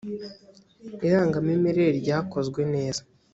irangamimerere ryakozwe neza.